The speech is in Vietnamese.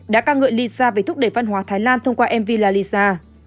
đã ca ngợi lisa về thúc đẩy văn hóa thái lan thông qua mv la lisa